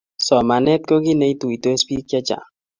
Somanet ko kit ne ituitos bik che chang.